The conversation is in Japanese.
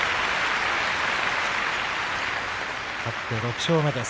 勝って６勝目です。